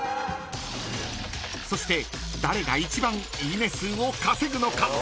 ［そして誰が一番いいね数を稼ぐのか？］